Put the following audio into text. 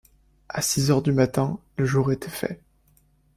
À six heures du matin, le jour était fait.